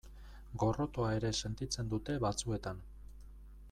Gorrotoa ere sentitzen dute batzuetan.